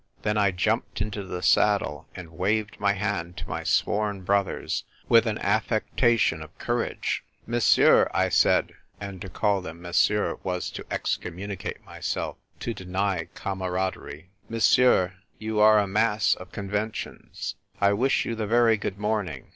Then I jumped into the saddle, and waved my hand to my sworn brothers, with an affectation of courage. " Messieurs," I said — and to call them " messieurs " was to excommunicate myself, to deny camaraderie —" Messieurs, you are a mass of conventions. 1 wish you the very good morning.